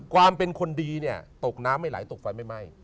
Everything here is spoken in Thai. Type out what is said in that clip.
ความเป็นคนดีตกน้ำไม่ไหลตกฝันไม่ไหม้